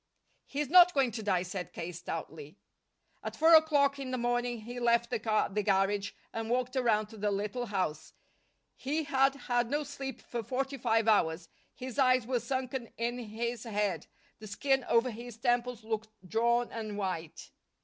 "He's not going to die," said K. stoutly. At four o'clock in the morning he left the car at the garage and walked around to the little house. He had had no sleep for forty five hours; his eyes were sunken in his head; the skin over his temples looked drawn and white.